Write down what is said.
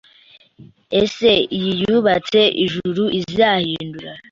Ese iyi yubatswe ijuru izahinduka